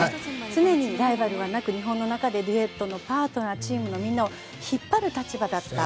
常にライバルがなく日本の中でデュエットのパートナーチームのみんなを引っ張る立場だった。